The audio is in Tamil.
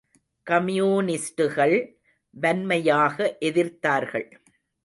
கம்யூனிஸ்டுகள் வன்மையாக எதிர்த்தார்கள்.